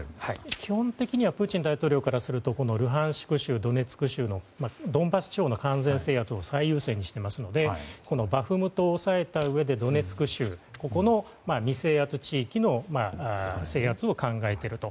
基本的にはプーチン大統領からするとルハンスク州ドネツク州のドンバス地方の完全制圧を最優先していますのでバフムトを抑えたうえでドネツク州、この２地域の制圧を考えていると。